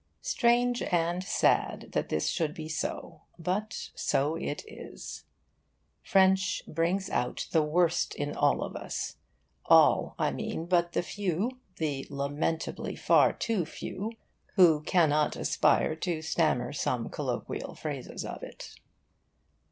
Strange and sad that this should be so; but so it is. French brings out the worst in all of us all, I mean, but the few, the lamentably far too few, who cannot aspire to stammer some colloquial phrases of it.